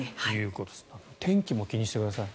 天気も気にしてください。